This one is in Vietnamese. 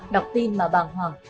đọc tin mà bằng